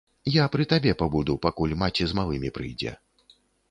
Я пры табе пабуду, пакуль маці з малымі прыйдзе.